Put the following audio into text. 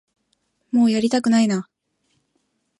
もうやりたくないな